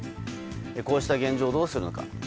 こうした現状をどうするのか。